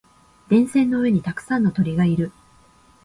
電線の上にたくさんの鳥がいる。